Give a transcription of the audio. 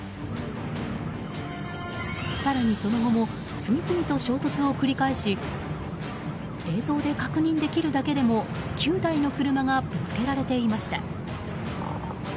更にその後も次々と衝突を繰り返し映像で確認できるだけでも９台の車がぶつけられていました。